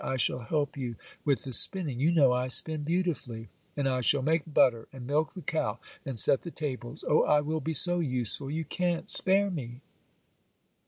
I shall help you with the spinning; you know I spin beautifully,—and I shall make butter, and milk the cow, and set the tables. Oh, I will be so useful, you can't spare me!